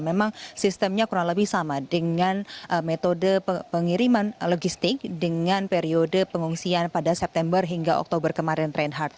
memang sistemnya kurang lebih sama dengan metode pengiriman logistik dengan periode pengungsian pada september hingga oktober kemarin reinhardt